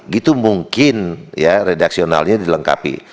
gitu mungkin ya redaksionalnya dilengkapi